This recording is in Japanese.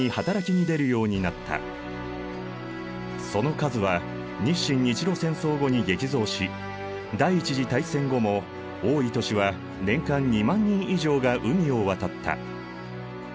その数は日清・日露戦争後に激増し第一次大戦後も多い年は年間２万人以上が海を渡った。